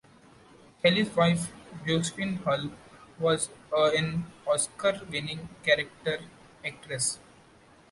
Shelley's wife, Josephine Hull, was an Oscar-winning character actress.